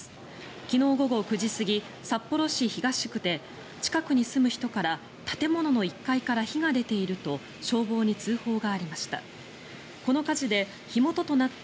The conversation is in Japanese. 昨日午後９時過ぎ、札幌市東区で近くに住む人から建物の１階から火が出ていると消防に通報がありました。